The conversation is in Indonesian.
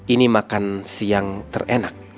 ini makan siang terenak